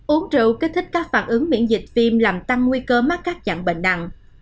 uống rượu kích thích các phản ứng miễn dịch phim làm tăng nguy cơ mắc các chặng bệnh nặng